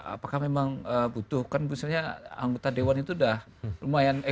apakah memang butuhkan misalnya anggota dewan itu dah lumayan